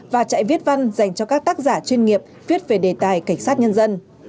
và chạy viết văn dành cho các tác giả chuyên nghiệp viết về đề tài cảnh sát nhân dân